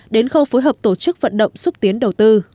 đến khâu phối hợp tổ chức vận động xúc tiến đầu tư